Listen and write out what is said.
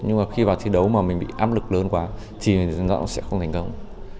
nhưng mà khi vào thi đấu mà mình bị áp lực lớn quá thì nó sẽ không thành công